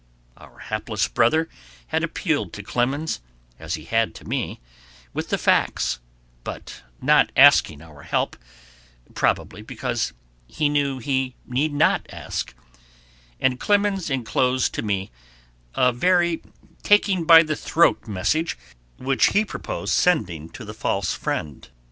Our hapless brother had appealed to Clemens, as he had to me, with the facts, but not asking our help, probably because he knew he need not ask; and Clemens enclosed to me a very taking by the throat message which he proposed sending to the false friend.